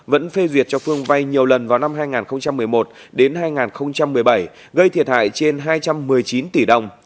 vẫn phê duyệt cho phương vay nhiều lần vào năm hai nghìn một mươi một đến hai nghìn một mươi bảy gây thiệt hại trên hai trăm một mươi chín tỷ đồng